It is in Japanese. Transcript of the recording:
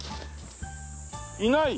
いない！